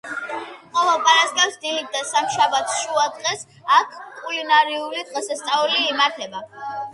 ყოველ პარასკევს დილით და სამშაბათს შუადღეს აქ კულინარიული დღესასწაული იმართება.